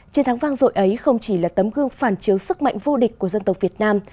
chiến thắng vang dội ấy không chỉ là tấm gương phản chiếu sức mạnh vô địch của dân tộc việt nam